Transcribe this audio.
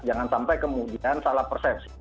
jangan sampai kemudian salah persepsi